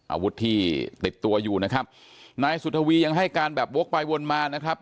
อาวุธที่ติดตัวอยู่นะครับนายสุธวียังให้การแบบวกไปวนมานะครับ